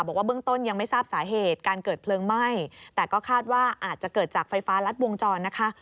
บอกว่าเบื้องต้นยังไม่ทราบสาเหตุการเกิดเพลิงไหม้แต่ก็คาดว่าอาจจะเกิดจากไฟฟ้ารัดวงจรนะคะ